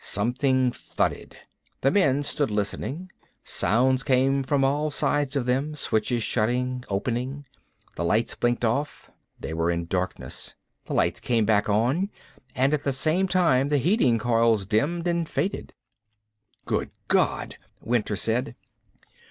Something thudded. The men stood listening. Sounds came from all sides of them, switches shutting, opening. The lights blinked off; they were in darkness. The lights came back on, and at the same time the heating coils dimmed and faded. "Good God!" Winter said.